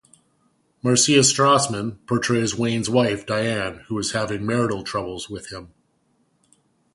Marcia Strassman portrays Wayne's wife, Diane, who is having marital troubles with him.